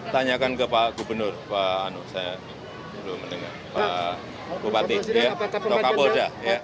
tanyakan ke pak gubernur pak anug pak bupati atau kapolda